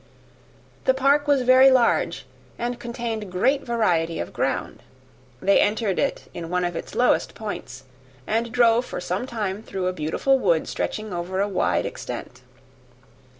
The park was very large, and contained great variety of ground. They entered it in one of its lowest points, and drove for some time through a beautiful wood stretching over a wide extent.